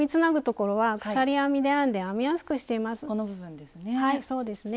この部分ですね。